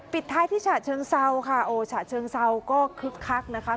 ปิดท้ายที่ฉะเชิงเซาค่ะโอ้ฉะเชิงเซาก็คึกคักนะคะ